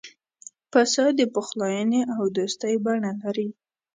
پسه د پخلاینې او دوستی بڼه لري.